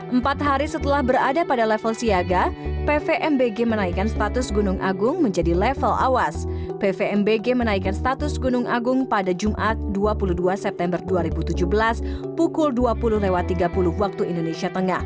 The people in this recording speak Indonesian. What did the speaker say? empat hari setelah berada pada level siaga pvmbg menaikkan status gunung agung menjadi level awas